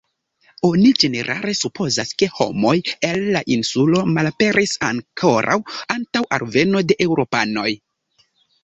Oni ĝenerale supozas, ke homoj el la insulo malaperis ankoraŭ antaŭ alveno de Eŭropanoj.